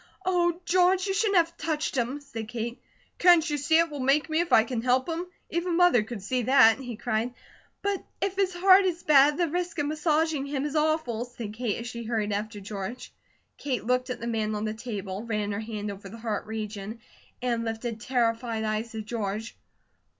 "Oh, George, you shouldn't have touched him," said Kate. "Can't you see it will make me, if I can help him! Even Mother could see that," he cried. "But if his heart is bad, the risk of massaging him is awful," said Kate as she hurried after George. Kate looked at the man on the table, ran her hand over the heart region, and lifted terrified eyes to George.